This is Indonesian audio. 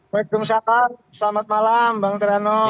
waalaikumsalam selamat malam bang terano